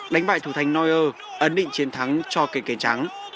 đánh bại thủ thanh neuer ấn định chiến thắng cho kênh kênh trắng